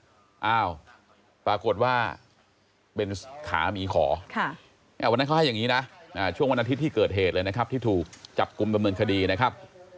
อ้าวปรากฏว่าเป็นขาหมีขอวันนั้นเขาให้อย่างนี้นะช่วงวันอาทิตย์ที่เกิดเหตุเลยนะครับที่ถูกจับกลุ่มดำเนินคดีนะครับ